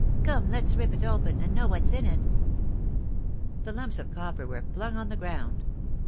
"Come, let's rip it open, and know what's in it." The lumps of copper were flung on the ground.